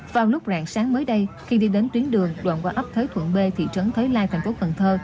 vào lúc rạng sáng mới đây khi đi đến tuyến đường đoạn qua ấp thới thuận b thị trấn thới lai tp cn